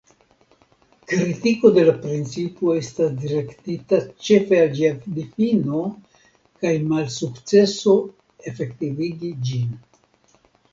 Kritiko de la principo estas direktita ĉefe al ĝia difino kaj malsukceso efektivigi ĝin.